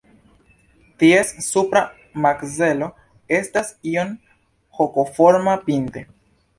Ties supra makzelo estas iom hokoforma pinte.